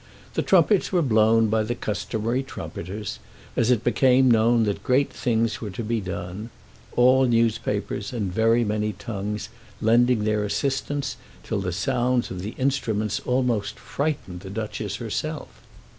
The trumpets were blown by the customary trumpeters as it became known that great things were to be done, all newspapers and very many tongues lending their assistance, till the sounds of the instruments almost frightened the Duchess herself.